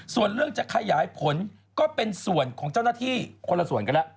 ส่วนเรื่องจะขยายผลก็เป็นส่วนของเจ้าหน้าที่คนละส่วนกันแล้ว